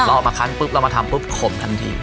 เอามาคั้นปุ๊บเรามาทำปุ๊บขมทันที